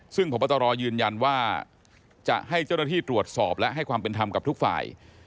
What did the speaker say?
ซึ่งพบตรยืนยันว่าจะให้เจ้าหน้าที่ตรวจสอบและให้ความเป็นธรรมกับทุกฝ่าย